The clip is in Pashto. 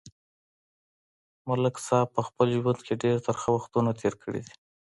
ملک صاحب په خپل ژوند کې ډېر ترخه وختونه تېر کړي دي.